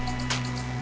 bagaimana menurut anda